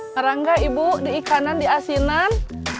harang gak ibu di ikanan di asinan